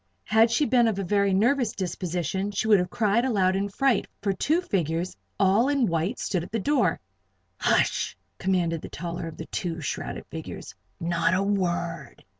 Had she been of a very nervous disposition, she would have cried aloud in fright, for two figures all in white stood at the door. "Hush!" commanded the taller of the two shrouded figures. "Not a word."